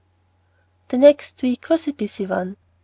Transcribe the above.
THE next week was a busy one.